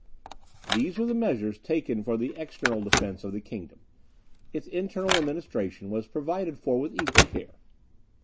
These were the measures taken for the external defence of the kingdom. Its internal administration was provided for with equal care.